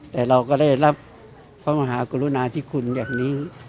แต่เราก็ได้รับพระมหากรุณาธิคุณอย่างนี้